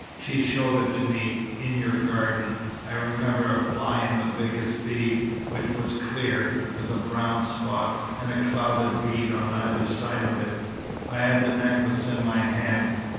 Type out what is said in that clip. "She showed it to me, in your garden. I remember a fly in the biggest bead, which was clear, with a brown spot, and a clouded bead on either side of it. I had the necklace in my hand.